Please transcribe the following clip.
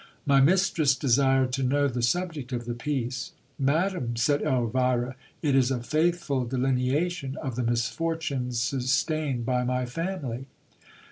My mistress desired to know the subject of the piece. Madam, said Elvira, it is a faithful delineation of the misfortunes sustained by my family.